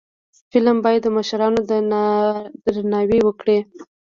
فلم باید د مشرانو درناوی وکړي